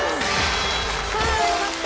ああよかった！